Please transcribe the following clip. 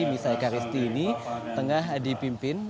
misa ika risti ini tengah dipimpin